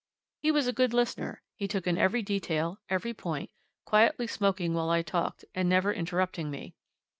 He was a good listener he took in every detail, every point, quietly smoking while I talked, and never interrupting me.